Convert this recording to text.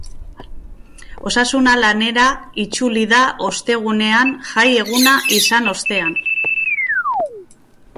Osasuna lanera itzuli da ostegunean jai eguna izan ostean.